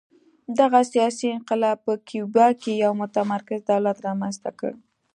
دغه سیاسي انقلاب په کیوبا کې یو متمرکز دولت رامنځته کړ